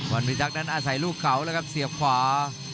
พิรักษ์นั้นอาศัยลูกเขาแล้วครับเสียบขวา